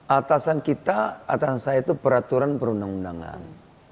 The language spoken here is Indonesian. atasan kita atasan saya itu peraturan perundang undangan